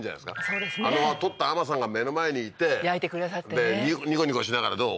そうですね獲った海女さんが目の前にいて焼いてくださってねニコニコしながらどう？